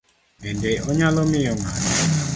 Bende onyalo miyo ng'ato